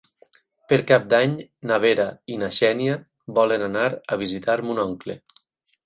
Per Cap d'Any na Vera i na Xènia volen anar a visitar mon oncle.